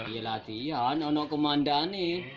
iya latihan anak komandan